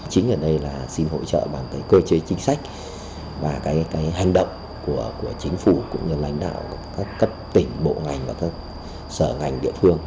chính ở đây là xin hỗ trợ bằng cái cơ chế chính sách và cái hành động của chính phủ cũng như lãnh đạo các cấp tỉnh bộ ngành và các sở ngành địa phương